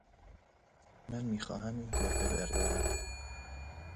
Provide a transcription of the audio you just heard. من می خواهم این گربه بر دارم.